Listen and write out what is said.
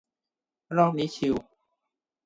รอบนี้ชิล